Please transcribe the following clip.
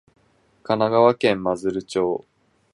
神奈川県真鶴町